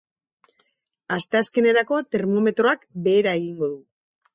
Asteazkenerako termometroak behera egingo du.